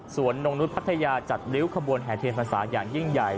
นงนุษย์พัทยาจัดริ้วขบวนแห่เทียนพรรษาอย่างยิ่งใหญ่